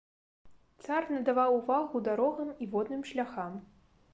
Цар надаваў увагу дарогам і водным шляхам.